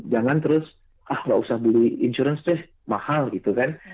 jangan terus ah nggak usah beli insurance deh mahal gitu kan